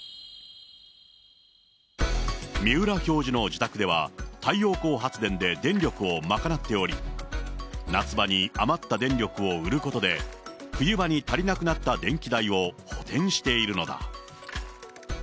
三浦教授の自宅では、太陽光発電で電力を賄っており、夏場に余った電力を売ることで、冬場に足りなくなった電気代を補填しているのだ。